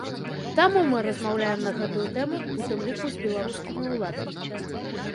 Таму мы размаўляем на гэтую тэму, у тым ліку з беларускімі ўладамі.